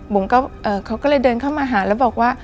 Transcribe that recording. เขาก็เลยเดินเข้ามาหาแล้วบอกว่า